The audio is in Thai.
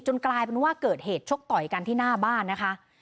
กลายเป็นว่าเกิดเหตุชกต่อยกันที่หน้าบ้านนะคะ